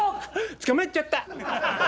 捕まっちゃった！